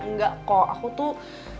enggak kok aku tuh